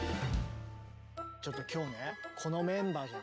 ちょっと今日ねこのメンバーじゃん。